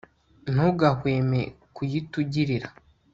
ntugahweme kuyitugirira